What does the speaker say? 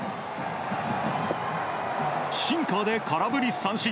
シンカーで空振り三振。